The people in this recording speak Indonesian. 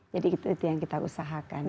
jadi itu yang kita usahakan